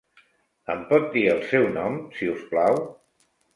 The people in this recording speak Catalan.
Em pot dir el seu nom, si us plau?